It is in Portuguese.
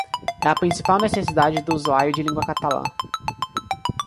É a principal necessidade do usuário de língua catalã.